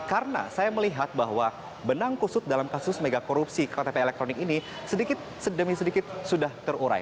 karena saya melihat bahwa benang kusut dalam kasus mega korupsi ktp elektronik ini sedikit demi sedikit sudah terurai